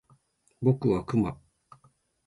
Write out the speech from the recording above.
僕はクマ